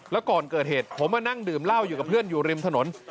แล้วก่อนเกิดเหตุผมมานั่งดื่มเหล้าอยู่กับเพื่อนอยู่ริมถนน